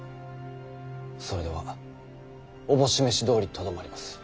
それでは思し召しどおりとどまります。